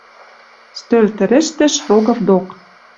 Стӧл тӹрӹштӹш Рогов док....